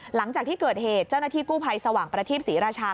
หลังจากที่เกิดเหตุเจ้าหน้าที่กู้ภัยสว่างประทีปศรีราชา